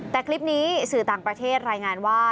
แต่คลิปนี้สื่อต่างประเทศรายงานว่า